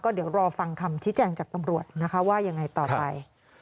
เดี๋ยวรอฟังคำชี้แจงจากตำรวจนะคะว่ายังไงต่อไป